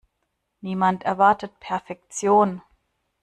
Niemand erwartet Perfektion.